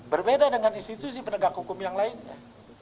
berbeda dengan institusi penegak hukum yang lainnya